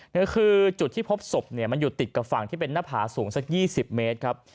ก็คือจุดที่พบศพมันอยู่ติดกับฝั่งที่เป็นหน้าผาสูงสัก๒๐เมตรครับ